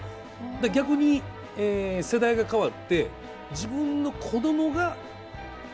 逆に世代が変わって自分のこどもが見だした頃の。